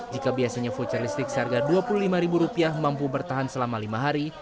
jika biasanya voucher listrik seharga rp dua puluh lima mampu bertahan selama lima hari